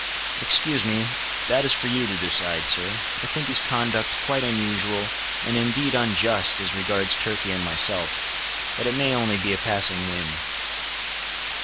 "Excuse me, that is for you to decide, sir. I think his conduct quite unusual, and indeed unjust, as regards Turkey and myself. But it may only be a passing whim."